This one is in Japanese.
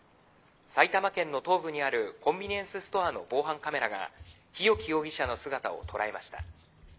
埼玉県の東部にあるコンビニエンスストアの防犯カメラが日置容疑者の姿を捉えました。